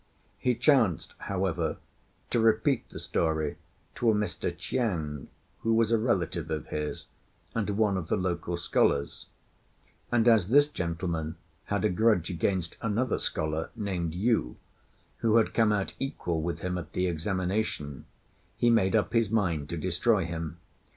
He chanced, however, to repeat the story to a Mr. Chiang who was a relative of his, and one of the local scholars; and as this gentleman had a grudge against another scholar, named Yu, who had come out equal with him at the examination, he made up his mind to destroy him.